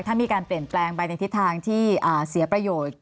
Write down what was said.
ถ้ามีการเปลี่ยนแปลงไปในทิศทางที่เสียประโยชน์